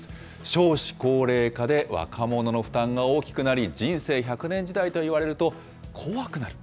少子高齢化で若者の負担が大きくなり、人生１００年時代と言われると怖くなる。